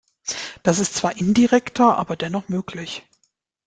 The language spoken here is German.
Das ist zwar indirekter, aber dennoch möglich.